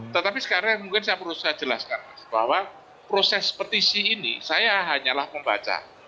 tetapi sekarang mungkin saya perlu saya jelaskan bahwa proses petisi ini saya hanyalah membaca